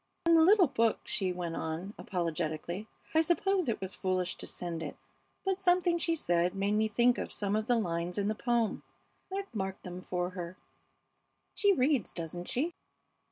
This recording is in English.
"And the little book," she went on, apologetically; "I suppose it was foolish to send it, but something she said made me think of some of the lines in the poem. I've marked them for her. She reads, doesn't she?"